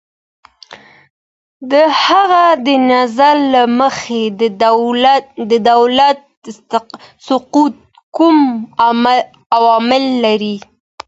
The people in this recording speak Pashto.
د هغه د نظر له مخې، د دولت سقوط کوم عوامل لري؟